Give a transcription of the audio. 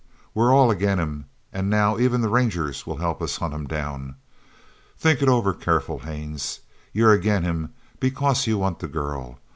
We're all agin him, an' now even the rangers will help us hunt him down. Think it over careful, Haines. You're agin him because you want the girl.